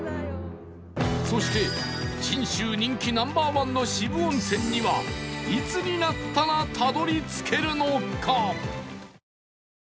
そして信州人気 Ｎｏ．１ の渋温泉にはいつになったらたどり着けるのか？